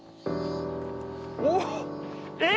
おっえっ！？